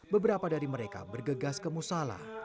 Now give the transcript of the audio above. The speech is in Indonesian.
beberapa dari mereka bergegas kemusala